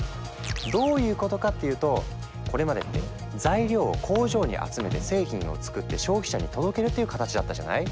どういうことかっていうとこれまでって材料を工場に集めて製品を作って消費者に届けるという形だったじゃない？